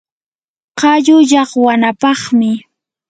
qallu llaqwanapaqmi